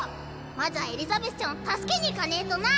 まずはエリザベスちゃんを助けに行かねぇとな。